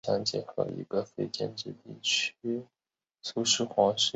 十一点是位于美国阿肯色州兰道夫县的一个非建制地区。